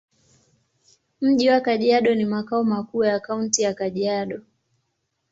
Mji wa Kajiado ni makao makuu ya Kaunti ya Kajiado.